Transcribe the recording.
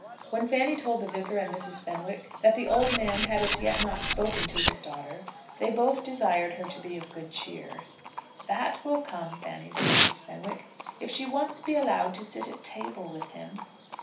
When Fanny told the Vicar and Mrs. Fenwick that the old man had as yet not spoken to his daughter, they both desired her to be of good cheer. "That will come, Fanny," said Mrs. Fenwick, "if she once be allowed to sit at table with him."